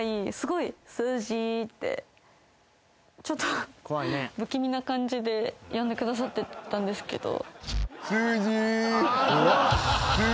ちょっと不気味な感じで呼んでくださってたんですけど。